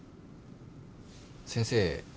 先生